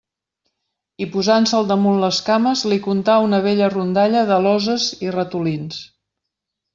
I posant-se'l damunt les cames li contà una vella rondalla d'aloses i ratolins.